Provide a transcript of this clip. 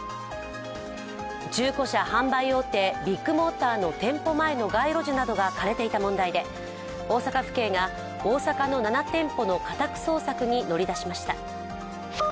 中古車販売大手ビッグモーターの店舗前の街路樹などが枯れていた問題で、大阪府警が大阪の７店舗の家宅捜索に乗り出しました。